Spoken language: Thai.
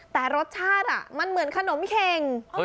แต่รสชาติมันเหมือนขนมเข็ง